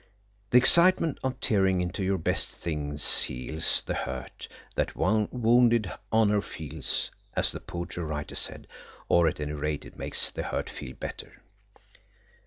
The excitement of tearing into your best things heals the hurt that wounded honour feels, as the poetry writer said–or at any rate it makes the hurt feel better.